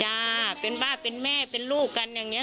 ยาเป็นบ้าเป็นแม่เป็นลูกกันอย่างนี้